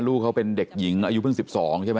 ลูกเขาเป็นเด็กหญิงอายุเพิ่ง๑๒ใช่ไหม